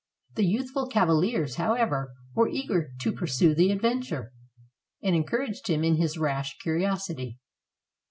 The youthful cavaliers, however, were eager to pursue the adventure, and encouraged him in his rash curiosity.